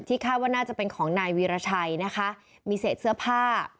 คาดว่าน่าจะเป็นของนายวีรชัยนะคะมีเศษเสื้อผ้า